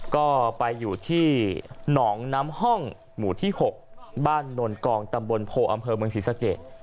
ก็ไปอยู่ที่หนองน้ำห้องหมู่ที่๖บ้านนนกองตำบลโพอำเภอเมืองศรีสะเกด